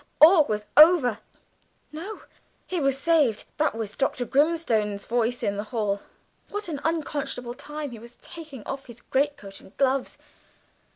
all was over now no, he was saved, that was Dr. Grimstone's voice in the hall what an unconscionable time he was taking off his greatcoat and gloves.